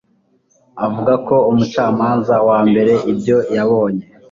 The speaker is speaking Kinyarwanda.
Avuga ko umucamanza wa mbere ibyo yabonye